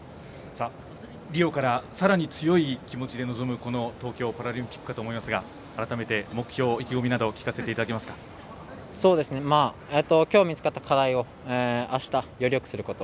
リオからさらに強い気持ちで臨む東京パラリンピックかと思いますが改めて、目標、意気込みなどをきょう見つかった課題をあした、よりよくすること。